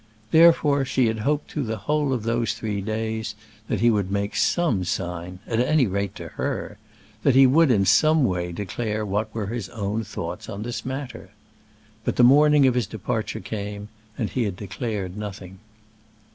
Therefore she had hoped through the whole of those three days that he would make some sign, at any rate to her; that he would in some way declare what were his own thoughts on this matter. But the morning of his departure came, and he had declared nothing.